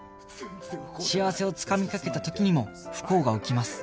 幸せをつかみかけた時にも不幸が起きます